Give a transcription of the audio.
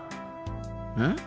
うん？